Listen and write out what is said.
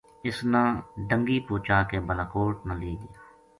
اِ سنا ڈَنگی پوچا کے بالاکوٹ نا لے گیا